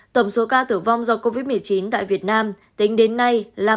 tổng số ca tử vong do covid một mươi chín tại việt nam tính đến nay là một mươi năm